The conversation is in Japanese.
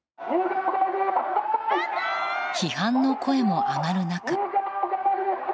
批判の声も上がる中。